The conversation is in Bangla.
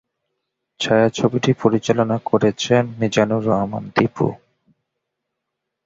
ছায়াছবিটি পরিচালনা করেছেন মিজানুর রহমান দীপু।